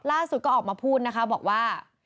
ล่าสุดก็ออกมาพูดนะคะบอกว่า